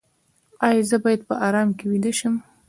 ایا زه باید په ارام کې ویده شم؟